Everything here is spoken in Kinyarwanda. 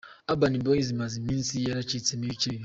Urban Boyz imaze iminsi yaracitsemo ibice bibiri.